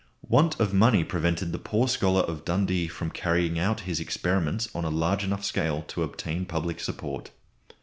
Want of money prevented the poor scholar of Dundee from carrying out his experiments on a large enough scale to obtain public support.